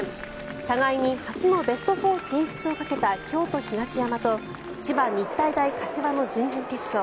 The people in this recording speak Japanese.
互いに初のベスト４進出をかけた京都・東山と千葉・日体大柏の準々決勝。